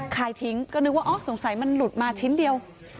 ขายทิ้งก็นึกว่าอ๋อสงสัยมันหลุดมาชิ้นเดียว